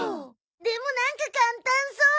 でもなんか簡単そう。